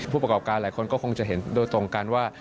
ผู้ประกอบการหลายคนก็คงจะเห็นโดยตรงกันว่า